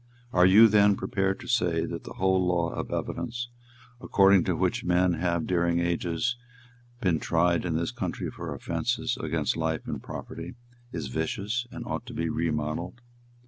Are you, then, prepared to say that the whole law of evidence, according to which men have during ages been tried in this country for offences against life and property, is vicious and ought to be remodelled?